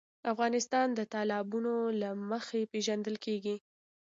افغانستان د تالابونه له مخې پېژندل کېږي.